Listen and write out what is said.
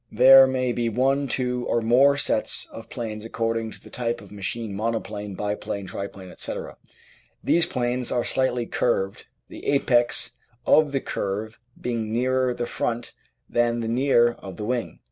There may be one, two, or more sets of planes according to the type of machine monoplane, biplane, triplane, etc. These planes are slightly curved, the apex of the curve being nearer the front edge than the rear edge of the wing.